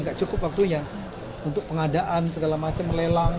tidak cukup waktunya untuk pengadaan segala macam lelang